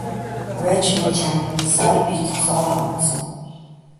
Авиа чимээ чагнасаар би зогсоогоороо унтсан.